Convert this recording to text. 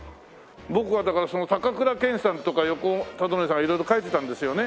僕はだからその高倉健さんとか横尾忠則さんが色々描いてたんですよね。